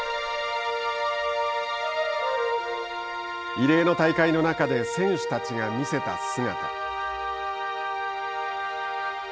異例の大会の中で選手たちが見せた姿。